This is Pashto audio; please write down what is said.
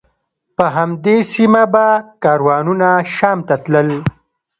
په همدې سیمه به کاروانونه شام ته تلل.